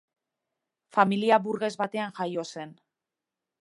Familia burges batean jaio zen.